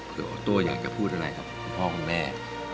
เผื่อโอโตอยากจะพูดอะไรกับพ่อแม่